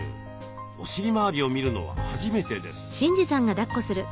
お尻周りを見るのは初めてです。